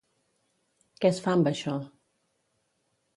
Què es fa amb això?